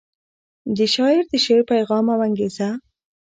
د شاعر د شعر پیغام او انګیزه